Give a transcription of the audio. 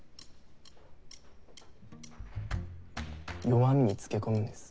弱みにつけ込むんです。